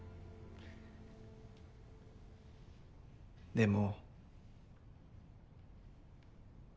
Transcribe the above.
でも。